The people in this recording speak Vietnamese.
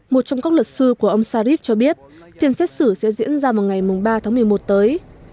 một trong các luật sư của ông sarif cho biết phiên xét xử sẽ diễn ra vào ngày ba tháng một mươi một tới